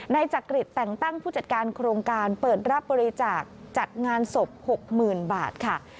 จักริตแต่งตั้งผู้จัดการโครงการเปิดรับบริจาคจัดงานศพ๖๐๐๐บาทค่ะ